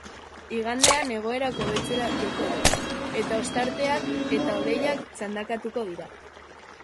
Igandean egoerak hobetzera joko du, eta ostarteak eta hodeiak txandakatuko dira.